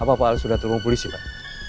apa pak al sudah telepon polisi pak